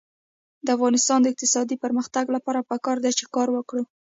د افغانستان د اقتصادي پرمختګ لپاره پکار ده چې کار وکړو.